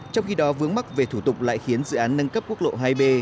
trong khi đó vướng mắc về thủ tục lại khiến dự án nâng cấp quốc lộ hai b